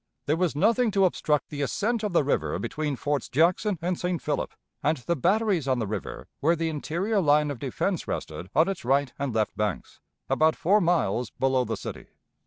There was nothing to obstruct the ascent of the river between Forts Jackson and St. Philip and the batteries on the river where the interior line of defense rested on its right and left banks, about four miles below the city.